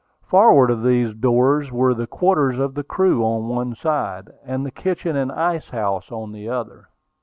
Forward of these doors were the quarters for the crew on one side, and the kitchen and ice house on the other.